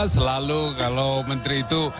selalu kalau menteri itu